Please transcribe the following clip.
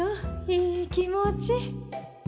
いい気持ち。